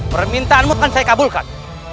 permintaanmu kan saya kabulkan